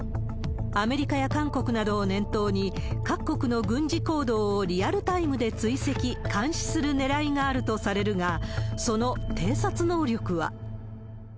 アメリカや韓国などを念頭に、各国の軍事行動をリアルタイムで追跡、監視するねらいがあるとされるが、その偵察能力は。